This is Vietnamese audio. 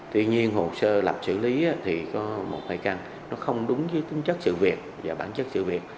tuy nhiên hồ sơ lập xử lý thì có một hai căn nó không đúng với tính chất sự việc và bản chất sự việc